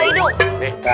coba tadi mata sebelah bawah